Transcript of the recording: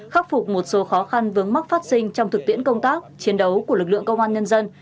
khắc phục một số khó khăn vướng mắc phát sinh trong thực tiễn công tác chiến đấu của lực lượng công an nhân dân